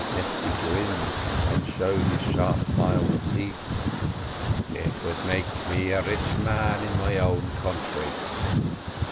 Mesty grinned and showed his sharp filed teeth. "It would make me a rich man in my own country."